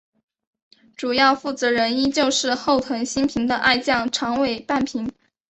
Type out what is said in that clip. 主要负责人依旧是后藤新平的爱将长尾半平。